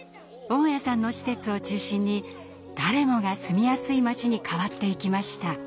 雄谷さんの施設を中心に誰もが住みやすい町に変わっていきました。